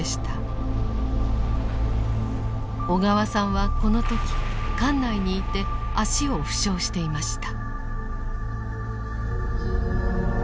小川さんはこの時艦内にいて足を負傷していました。